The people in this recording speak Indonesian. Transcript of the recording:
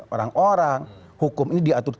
orang orang hukum ini diatur